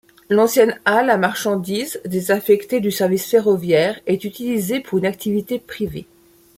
L'ancienne halle à marchandises, désaffectée du service ferroviaire, est utilisée pour une activité privée.